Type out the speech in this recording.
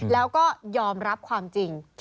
แล้วก็ยอมรับความจริง